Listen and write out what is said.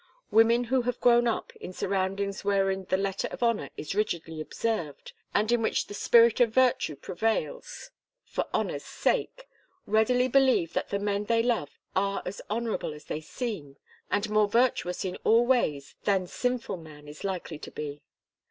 Women who have grown up in surroundings wherein the letter of honour is rigidly observed, and in which the spirit of virtue prevails for honour's sake, readily believe that the men they love are as honourable as they seem, and more virtuous in all ways than sinful man is likely to be.